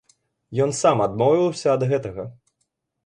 Ён сам адмовіўся ад гэтага.